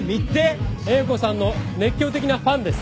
英子さんの熱狂的なファンです。